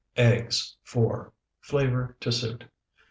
Eggs, 4. Flavor to suit.